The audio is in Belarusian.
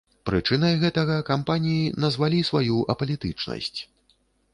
Прычынай гэтага кампаніі назвалі сваю апалітычнасць.